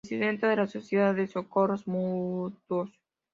Presidente de la sociedad de Socorros Mutuos.